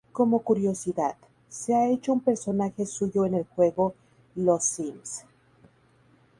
Como curiosidad, se ha hecho un personaje suyo en el juego Los Sims.